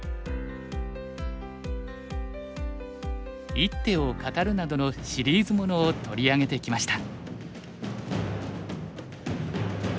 「一手を語る」などのシリーズものを取り上げてきました。